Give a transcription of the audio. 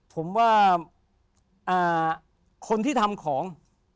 ผมว่าคนที่ทำของ